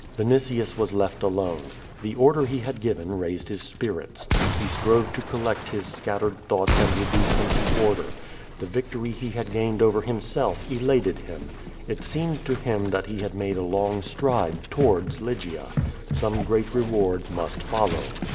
Vinitius was left alone. The order he had given raised his spirits. He strove to collect his scattered thoughts and reduce them to order. The victor}* he had gained over him self elated him. It seemed to him that he had made a long stride towards Lygia. Some great reward must follow.